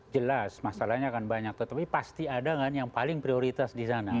jelas masalahnya akan banyak tetapi pasti ada kan yang paling prioritas di sana